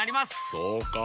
そうか。